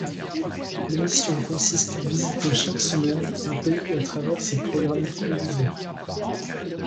L'émission consiste à visiter chaque semaine un pays à travers ses programmes télévisés.